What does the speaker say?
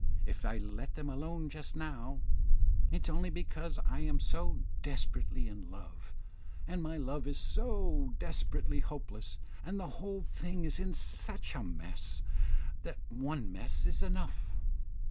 If I let them alone just now, it is only because I am so desperately in love, and my love is so desperately hopeless; and the whole thing is in such a mess, that one mess is enough.